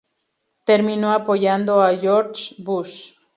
Terminó apoyando a George W. Bush.